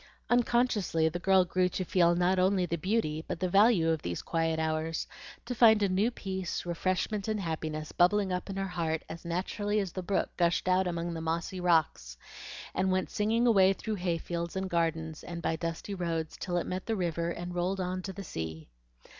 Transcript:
Unconsciously the girl grew to feel not only the beauty but the value of these quiet hours, to find a new peace, refreshment, and happiness, bubbling up in her heart as naturally as the brook gushed out among the mossy rocks, and went singing away through hayfields and gardens, and by dusty roads, till it met the river and rolled on to the sea.